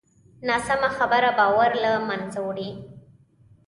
ناسمه خبره باور له منځه وړي